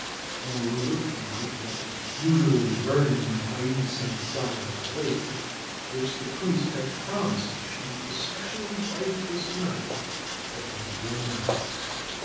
Moreover, the light that was usually burning on the Hiyei San side of the lake, which the priest had promised should be especially bright this night, had been blown out.